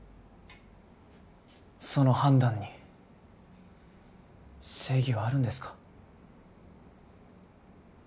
その判断に正義はあるんですか？